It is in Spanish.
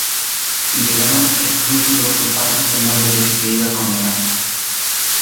Y llegaron escrúpulos o falsos temores de que se iba a condenar.